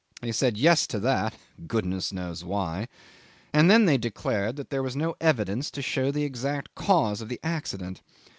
They said Yes to that, goodness knows why, and then they declared that there was no evidence to show the exact cause of the accident.